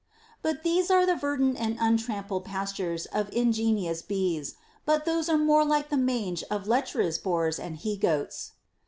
t But these are the verdant and untrampled pastures of in genious bees ; but those are more like the mange of lech erous boars and he goats.